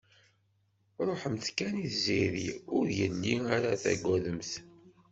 Ruḥemt kan i tziri, ur yelli ara tagademt.